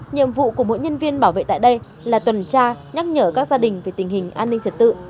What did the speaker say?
nhiệm vụ của mỗi nhân viên bảo vệ tại đây là tuần tra nhắc nhở các gia đình về tình hình an ninh trật tự